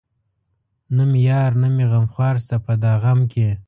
نه مې يار نه مې غمخوار شته په دا غم کې